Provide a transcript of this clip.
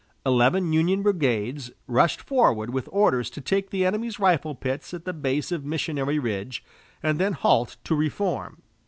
Eleven Union brigades rushed forward with orders to take the enemy's rifle pits at the base of Missionary Ridge, and then halt to reform.